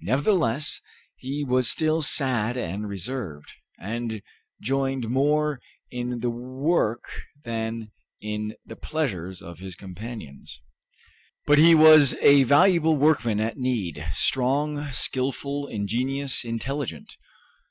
Nevertheless he was still sad and reserved, and joined more in the work than in the pleasures of his companions. But he was a valuable workman at need strong, skilful, ingenious, intelligent.